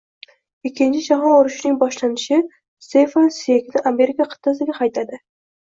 Ikkinchi jahon urushining boshlanishi Stefan Sveygni Amerika qit`asiga haydadi